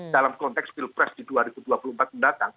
dalam konteks pilpres di dua ribu dua puluh empat mendatang